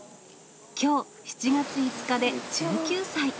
きょう７月５日で１９歳。